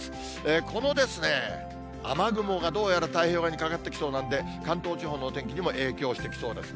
この雨雲がどうやら太平洋側にかかってきそうなんで、関東地方のお天気にも影響してきそうですね。